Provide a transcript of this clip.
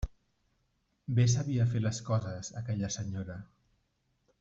Bé sabia fer les coses aquella senyora.